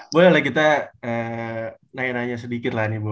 boleh kita nanya nanya sedikit lah nih bu